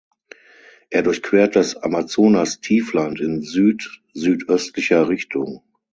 Er durchquert das Amazonastiefland in südsüdöstlicher Richtung.